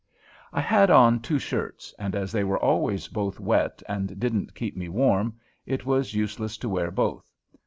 I had on two shirts, and as they were always both wet and didn't keep me warm, it was useless to wear both.